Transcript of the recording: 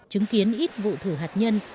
chứng kiến ít vụ thử hạt nhân